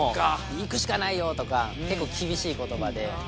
行くしかないよとか、結構、厳しいことばで。